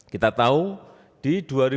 kita tahu di dua ribu lima belas